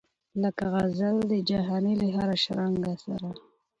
لکه غزل د جهاني له هره شرنګه سره